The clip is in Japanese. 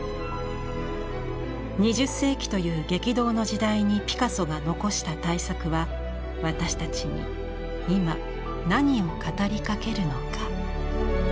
２０世紀という激動の時代にピカソが残した大作は私たちに今何を語りかけるのか。